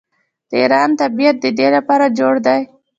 د ایران طبیعت د دې لپاره جوړ دی.